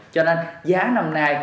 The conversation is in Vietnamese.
cho nên giá năm nay